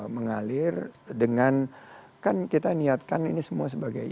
mengalir dengan kan kita niatkan ini semua sebagai